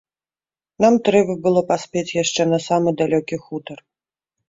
Нам трэба было паспець яшчэ на самы далёкі хутар.